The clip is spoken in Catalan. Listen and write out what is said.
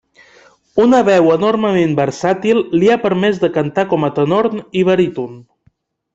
Una veu enormement versàtil li ha permès de cantar com a tenor i baríton.